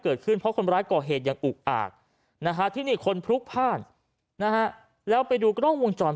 เกิดขึ้นเพราะคนร้ายก่อเหตุอย่างอุกอากที่นี่คนพลุกผ้านแล้วไปดูกล้องวงจร